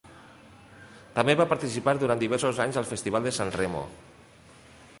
També va participar durant diversos anys al Festival de San Remo.